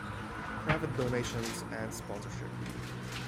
Private donations and sponsorship.